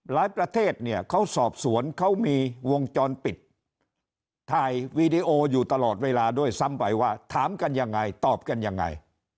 ประเทศเนี่ยเขาสอบสวนเขามีวงจรปิดถ่ายวีดีโออยู่ตลอดเวลาด้วยซ้ำไปว่าถามกันยังไงตอบกันยังไง